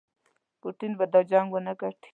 پوټین به دا جنګ ونه ګټي.